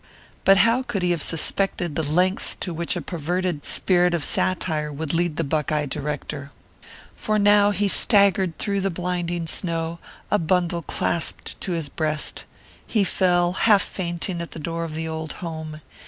But how could he have suspected the lengths to which a perverted spirit of satire would lead the Buckeye director? For now he staggered through the blinding snow, a bundle clasped to his breast. He fell, half fainting, at the door of the old home.